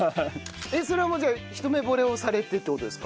それはもうじゃあ一目惚れをされてって事ですか？